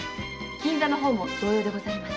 金座の方も同様でございます。